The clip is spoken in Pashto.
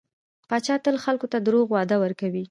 پاچا تل خلکو ته دروغ وعده ورکوي .